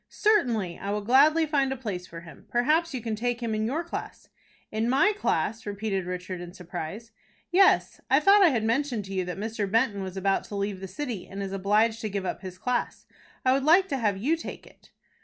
"Certainly, I will gladly find a place for him. Perhaps you can take him in your class." "In my class!" repeated Richard, in surprise. "Yes, I thought I had mentioned to you that Mr. Benton was about to leave the city, and is obliged to give up his class. I would like to have you take it."